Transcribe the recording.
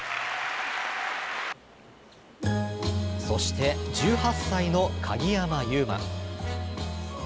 そして１８歳の鍵山優真。